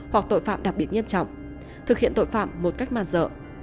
hoặc tội phạm đặc biệt nghiêm trọng thực hiện tội phạm một cách man dợ